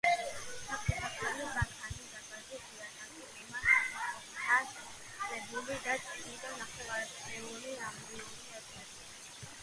საკურთხევლის ბაქანი დარბაზის იატაკის მიმართ საფეხურითაა შემაღლებული და წინიდან ნახევარწრიული ამბიონი ეკვრის.